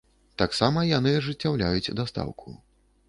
Таксама яны ажыццяўляюць дастаўку.